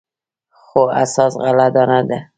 خو اساس غله دانه ده.